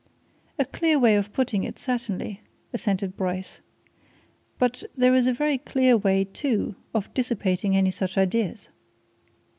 "A clear way of putting it, certainly," assented Bryce. "But there's a very clear way, too, of dissipating any such ideas."